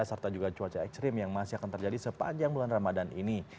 serta juga cuaca ekstrim yang masih akan terjadi sepanjang bulan ramadan ini